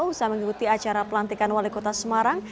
usaha mengikuti acara pelantikan wali kota semarang